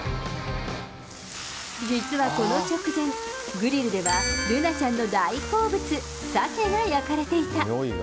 実は、この直前、グリルではルナちゃんの大好物、サケが焼かれていた。